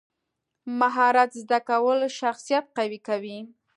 مهارت زده کول شخصیت قوي کوي.